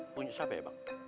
punya siapa ya pak